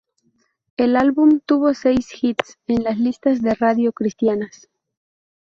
El álbum tuvo seis hits en las listas de radio cristianas.